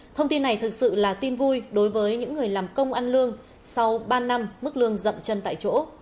thông tin này thực sự là tin vui đối với những người làm công ăn lương sau ba năm mức lương rậm chân tại chỗ